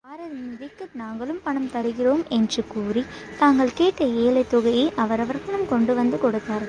பாரதி நிதிக்கு நாங்களும் பணம் தருகிறோம் என்று கூறித் தாங்கள் கேட்ட ஏலத்தொகையை அவரவர்களும் கொண்டு வந்து கொடுத்தார்கள்.